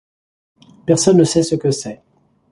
Personne ne sait ce que c'est.